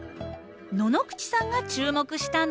野々口さんが注目したのは？